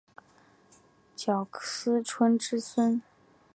斛斯椿之孙。